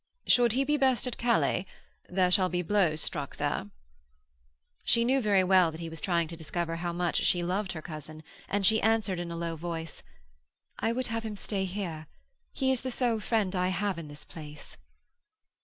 'Should he be best at Calais? There shall be blows struck there.' She knew very well that he was trying to discover how much she loved her cousin, and she answered in a low voice, 'I would have him stay here. He is the sole friend I have in this place.'